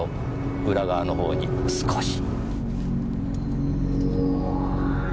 裏側の方に少し。